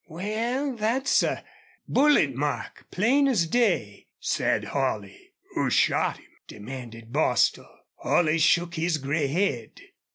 "Wal, thet's a bullet mark, plain as day," said Holley. "Who shot him?" demanded Bostil. Holley shook his gray head.